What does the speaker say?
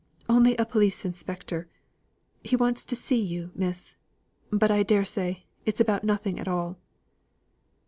"Only a police inspector. He wants to see you, miss. But I dare say, it's about nothing at all."